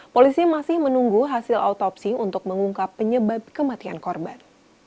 polisi masih menunggu hasil autopsi untuk mengungkap penyebab kematian korban